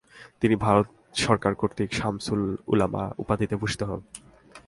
তিনি ভারত সরকার কর্তৃক শামসুল উলামা উপাধিতে ভূষিত হন।